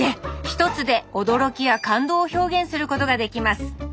一つで驚きや感動を表現することができます。